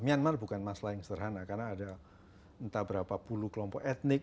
myanmar bukan masalah yang sederhana karena ada entah berapa puluh kelompok etnik